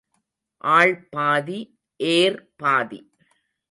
ஆள் பாதி, ஏர் பாதி.